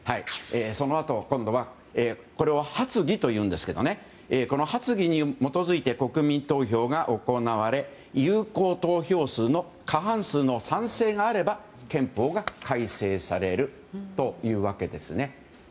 そのあと、今度はこれを発議というんですがこの発議に基づいて国民投票が行われ有効投票数の過半数の賛成があれば憲法が改正されるというわけですね。